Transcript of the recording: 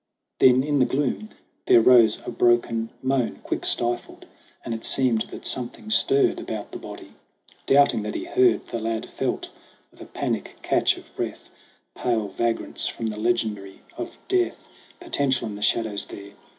Then in the gloom there rose a broken moan, Quick stifled ; and it seemed that something stirred About the body. Doubting that he heard, The lad felt, with a panic catch of breath, Pale vagrants from the legendry of death Potential in the shadows there.